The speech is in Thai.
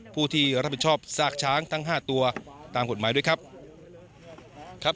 ผู้ที่รับผิดชอบซากช้างทั้ง๕ตัวตามกฎหมายด้วยครับ